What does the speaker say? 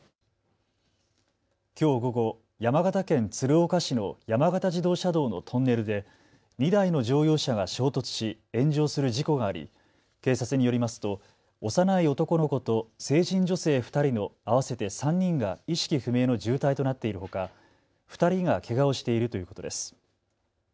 きょう午後、山形県鶴岡市の山形自動車道のトンネルで２台の乗用車が衝突し炎上する事故があり警察によりますと幼い男の子と成人女性２人の合わせて３人が意識不明の重体となっているほか２人がけがをしているということです。